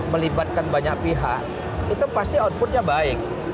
melibatkan banyak pihak itu pasti outputnya baik